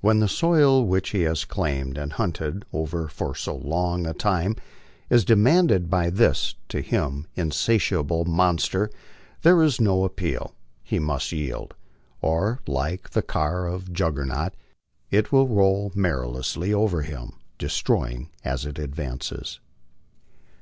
When the soil which he has claimed and hunted over for go long a time is demanded by this to him insatiable monster, there is no appeal ; he must yield, or, like the car of Juggernaut, it will roll merci lessly over him, destroying as it advances.